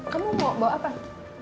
kamu mau bawa apaan